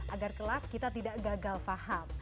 agar kelak kita tidak gagal faham